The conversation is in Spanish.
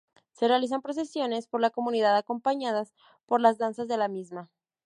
Se realizan procesiones por la comunidad acompañadas por las danzas de la misma.